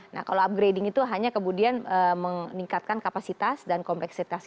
nah kalau upgrading itu hanya kemudian meningkatkan kapasitas dan kompleksitas